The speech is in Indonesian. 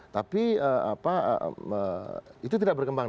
tapi itu tidak berkembang